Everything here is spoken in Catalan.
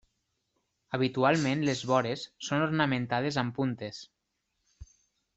Habitualment les vores són ornamentades amb puntes.